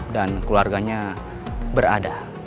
dan keluarganya berada